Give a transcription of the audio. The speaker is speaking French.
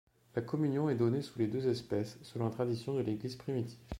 La communion est donnée sous les deux espèces, selon la tradition de l’Église primitive.